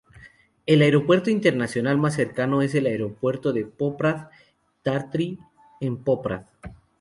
El aeropuerto internacional más cercano es el Aeropuerto de Poprad-Tatry, en Poprad.